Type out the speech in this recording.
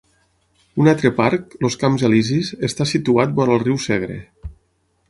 Un altre parc, els Camps Elisis, està situat vora el riu Segre.